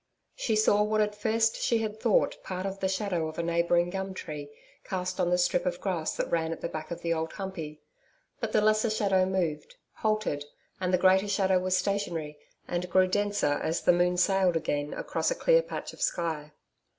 She saw what at first she had thought part of the shadow of a neighbouring gum tree cast on the strip of grass that ran at the back of the Old Humpey. But the lesser shadow moved, halted, and the greater shadow was stationary and grew denser as the moon sailed again across a clear patch of sky.